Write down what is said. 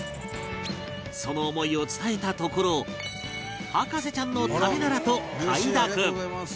その思いを伝えたところ博士ちゃんのためならと快諾